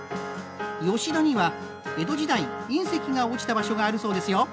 吉田には江戸時代隕石が落ちた場所があるそうですよ。